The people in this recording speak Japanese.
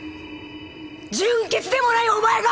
純血でもないお前が！